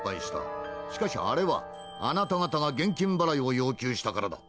しかしあれはあなた方が現金払いを要求したからだ。